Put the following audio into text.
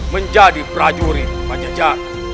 menjadi prajurit pak jajan